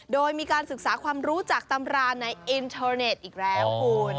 โดยมีการศึกษาความรู้จากตำราในอินเทอร์เน็ตอีกแล้วคุณ